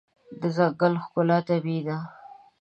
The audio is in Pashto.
د ځنګل ښکلا طبیعي ده.